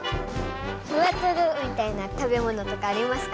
フワトロみたいな食べものとかありますか？